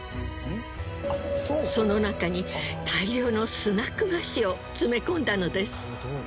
その中に大量のスナック菓子を詰め込んだのです。